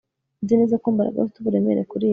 Nzi neza ko Mbaraga afite uburemere kuri ibyo